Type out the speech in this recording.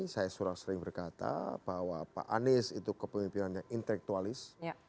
saya sering berkata bahwa pak anies itu kepemimpinannya intelektualis